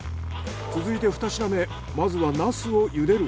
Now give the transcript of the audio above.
続いて２品目まずはナスを茹でる。